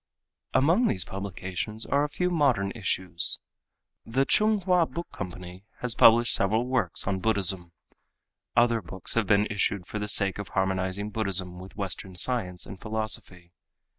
Among these publications are a few modern issues. The Chung Hua Book Company has published several works on Buddhism. Other books have been issued for the sake of harmonizing Buddhism with western science and philosophy.